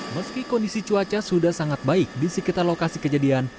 meski kondisi cuaca sudah sangat baik di sekitar lokasi kejadian